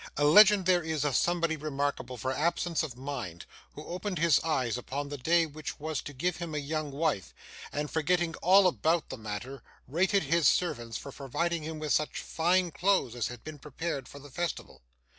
A legend there is of somebody remarkable for absence of mind, who opened his eyes upon the day which was to give him a young wife, and forgetting all about the matter, rated his servants for providing him with such fine clothes as had been prepared for the festival.